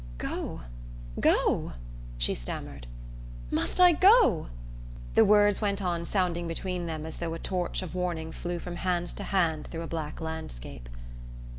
"Go go?" she stammered. "Must I go?" The words went on sounding between them as though a torch of warning flew from hand to hand through a black landscape.